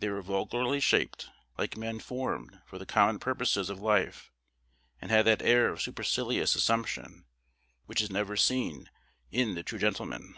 They were vulgarly shaped, like men formed for the common purposes of life, and had that air of supercilious assumption which is never seen in the true gentleman.